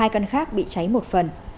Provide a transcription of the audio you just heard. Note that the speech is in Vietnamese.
hai căn khác bị cháy một phần